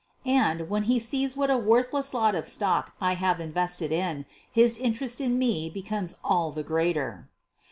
And, when he sees what a worthless lot of stock I have invested in, his interest in me becomes all the greater.